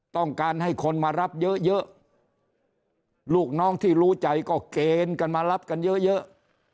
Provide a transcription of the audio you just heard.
ต้องการให้คนมารับเยอะเยอะลูกน้องที่รู้ใจก็เกณฑ์กันมารับกันเยอะเยอะ